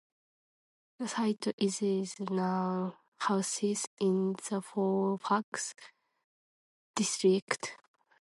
The site isis now houses in the Fairfax District.